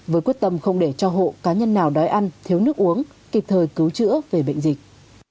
với quyết tâm không để cho hộ cá nhân nào đói ăn thiếu nước uống kịp thời cứu chữa về bệnh dịch